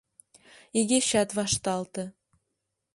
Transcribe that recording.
Игечат вашталте.